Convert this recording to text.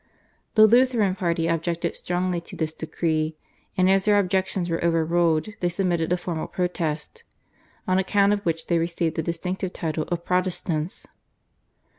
The Lutheran party objected strongly to this decree, and as their objections were over ruled they submitted a formal protest, on account of which they received the distinctive title of Protestants.